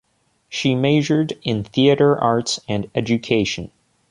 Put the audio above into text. She majored in Theater Arts and Education.